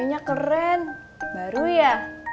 hp nya keren baru ya